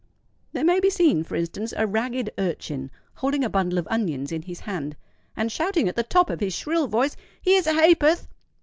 There may be seen, for instance, a ragged urchin holding a bundle of onions in his hand, and shouting at the top of his shrill voice, "Here's a ha'porth!"